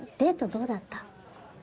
どうだった？